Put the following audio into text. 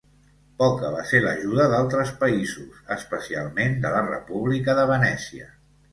Poca va ser l'ajuda d'altres països, especialment de la República de Venècia.